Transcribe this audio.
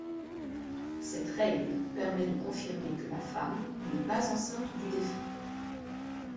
Cette règle permet de confirmer que la femme n'est pas enceinte du défunt.